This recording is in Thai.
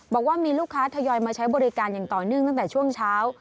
บอกว่ามีลูกค้าทยอยมาใช้บริการอย่างต่อเนื่องตั้งแต่ช่วงเช้า